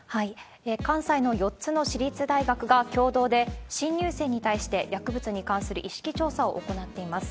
関西の４つの私立大学が共同で新入生に対して薬物に関する意識調査を行っています。